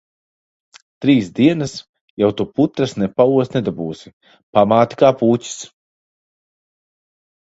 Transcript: Trīs dienas jau tu putras ne paost nedabūsi. Pamāte kā pūķis.